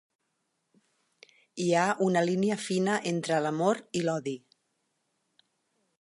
Hi ha una línia fina entre l'amor i l'odi.